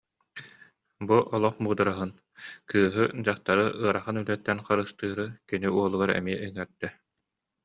Бу олох муудараһын, кыыһы, дьахтары ыарахан үлэттэн харыстыыры кини уолугар эмиэ иҥэрдэ